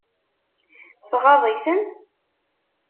Tɣaḍ-iten?